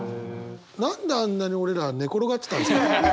何であんなに俺ら寝転がってたんですかね？